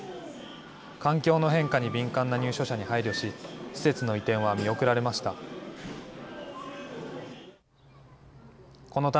環境の変化に敏感な入所者に配慮し、施設の移転は見送られました。